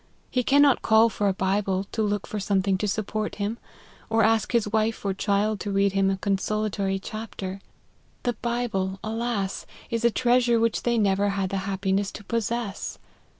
He cannot call for a Bible to look for something to support him, or ask his wife or child to read him a consolatory chapter. The Bible, alas ! is a treasure which they never had the happiness to possess.